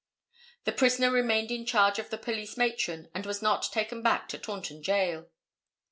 The prisoner remained in charge of the police matron and was not taken back to Taunton Jail.